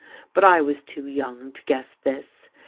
But I was too young to guess this.